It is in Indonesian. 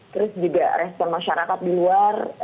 terus juga respon masyarakat di luar